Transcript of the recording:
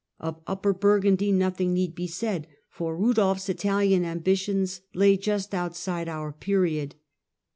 Of Upper Burgundy nothing need be said, for Rudolph's Italian ambitions lie just outside our period.